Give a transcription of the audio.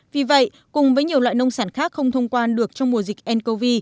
vì vậy cùng với nhiều loại nông sản khác không thông quan được trong mùa dịch ncov